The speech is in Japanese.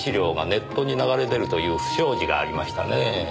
ネットに流れ出るという不祥事がありましたねぇ。